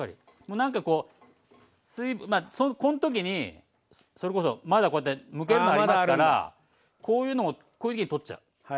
なんかこうこの時にそれこそまだこうやってむけるのありますからこういうのを取っちゃう。